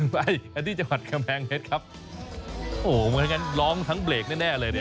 ไปอันนี้จังหวัดกะแมงเฮ็ดครับโอ้โหมันกันร้องทั้งเบรกแน่เลยเนี่ย